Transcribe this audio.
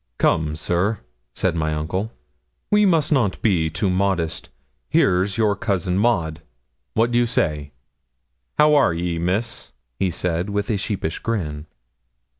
'Come, sir,' said my uncle, we must not be too modest. Here's your cousin Maud what do you say?' 'How are ye, Miss?' he said, with a sheepish grin.